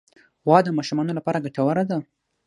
غوا د ماشومانو لپاره ګټوره ده.